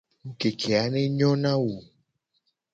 Ngukeke a ne nyo na wo.